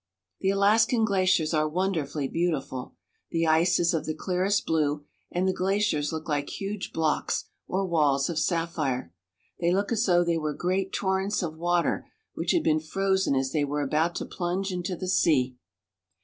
The Alaskan glaciers are wonderfully beautiful. The ice is of the clearest blue, and the glaciers look like huge blocks or walls of sapphire. They look as though they were great torrents of water which had been frozen as they were about to plunge into the sea.